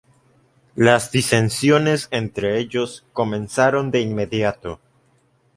Las disensiones entre ellos comenzaron de inmediato.